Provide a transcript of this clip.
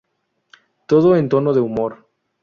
Todo en tono de humor.